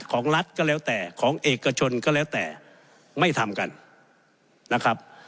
ของรัฐก็แล้วแต่ของเอกชนก็แล้วแต่ไม่ทำกันนะครับ